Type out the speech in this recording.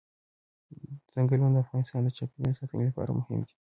چنګلونه د افغانستان د چاپیریال ساتنې لپاره مهم دي.